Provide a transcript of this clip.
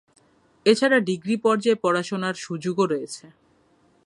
এছাড়া ডিগ্রি পর্যায়ে পড়াশুনার সুযোগও রয়েছে।